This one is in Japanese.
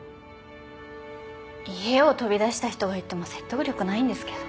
家を飛び出した人が言っても説得力ないんですけど。